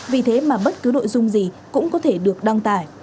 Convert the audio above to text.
vì thế mà bất cứ nội dung gì cũng có thể được đăng tải